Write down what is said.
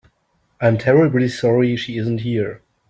I'm terribly sorry she isn't here.